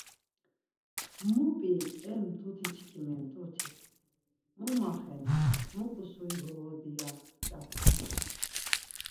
Mu p̌i e mtuti çkimi mtuti, mu maxenu, mu ǩusuri goğodi ya mǩyapuk.